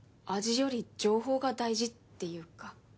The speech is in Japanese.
味より情報が大事っていうか。